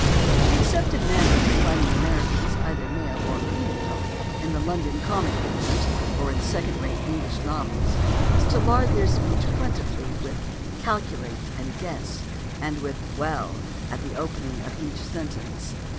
The accepted manner of defining Americans, either male or female, in the London comic papers or in second rate English novels is to lard their speech plentifully with "calculate" and "guess," and with "well" at the opening of each sentence.